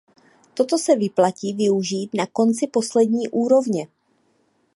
Toto se vyplatí využít na konci poslední úrovně.